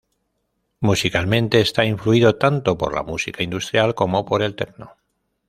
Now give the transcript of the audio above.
Musicalmente, está influido tanto por la música industrial como por el techno.